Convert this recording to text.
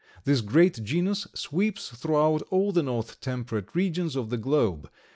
This great genus sweeps throughout all the north temperate regions of the globe.